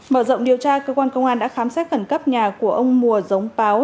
mở rộng điều tra cơ quan công an đã khám xét khẩn cấp nhà của ông mùa giống báo